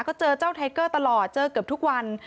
ก็เจอเจ้าไทเกอร์ตลอดเจอเกือบทุกวัน